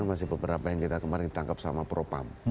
masih beberapa yang kita kemarin tangkap sama propam